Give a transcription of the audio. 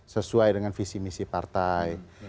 sesuai dengan visi misi partai